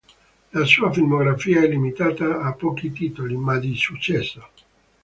La sua filmografia è limitata a pochi titoli, ma di successo.